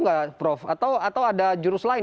nggak prof atau ada jurus lain